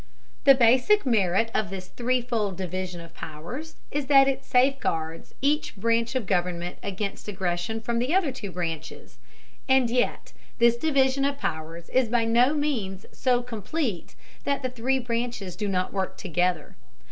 The basic merit of this threefold division of powers is that it safeguards each branch of government against aggression from the other two branches. And yet this division of powers is by no means so complete that the three branches do not work together.